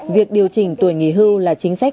việc điều chỉnh tuổi nghỉ hưu là chính sách